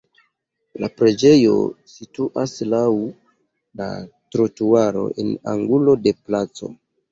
La preĝejo situas laŭ la trotuaro en angulo de placo.